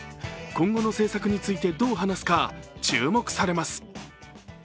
今後の政策について、どう話すか注目されます。